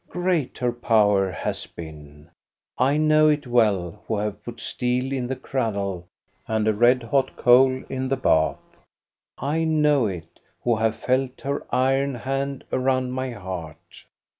Great her power has been. I know it well, who have put steel in the cradle and a red hot coal in the bath ; I know it, who have felt her iron hand around my heart.